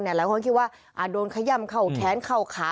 หลายคนคิดว่าอ่าโดนขยามเข่าแขนเข่าขา